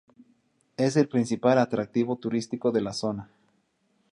Es el principal atractivo turístico de la zona.